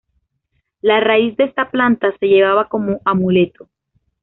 La raíz de esta planta se llevaba como amuleto.